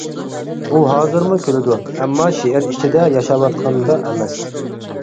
ئۇ ھازىرمۇ كۈلىدۇ، ئەمما شېئىر ئىچىدە ياشاۋاتقاندا ئەمەس.